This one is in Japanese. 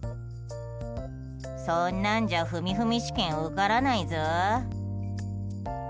そんなんじゃ、ふみふみ試験受からないぞ。